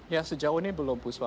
ya sejauh ini belum puspa